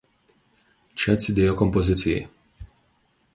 Čia atsidėjo kompozicijai.